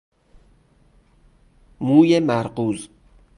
موی مرغوز